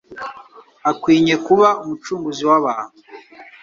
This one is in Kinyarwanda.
Akwinye kuba Umucunguzi w'abantu.